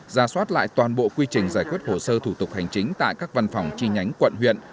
ra soát lại toàn bộ quy trình giải quyết hồ sơ thủ tục hành chính tại các văn phòng chi nhánh quận huyện